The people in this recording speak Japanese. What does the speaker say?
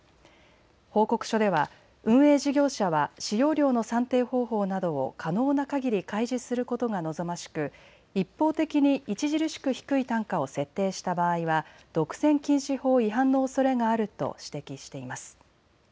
報告書では運営事業者は使用料の算定方法などを可能なかぎり開示することが望ましく、一方的に著しく低い単価を設定した場合は独占禁止法違反のおそれがあると指摘しています。